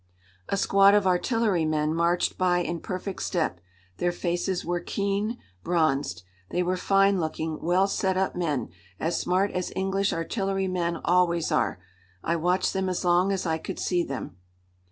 A squad of artillerymen marched by in perfect step; their faces were keen, bronzed. They were fine looking, well set up men, as smart as English artillerymen always are. I watched them as long as I could see them.